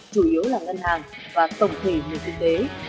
chủ yếu là ngân hàng và tổng thể nền kinh tế